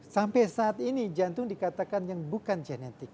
sampai saat ini jantung dikatakan yang bukan genetik